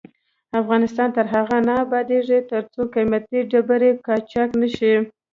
افغانستان تر هغو نه ابادیږي، ترڅو قیمتي ډبرې قاچاق نشي.